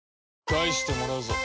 返してもらうぞ